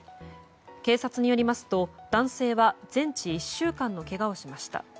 警察によりますと、男性は全治１週間のけがをしました。